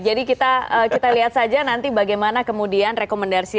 jadi kita lihat saja nanti bagaimana kemudian rekomendasi